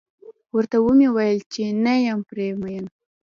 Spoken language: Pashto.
ورته و مې ويل چې نه یم پرې مين.